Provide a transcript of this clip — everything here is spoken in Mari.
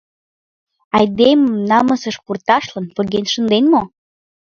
Айдемым намысыш пурташлан поген шынден мо?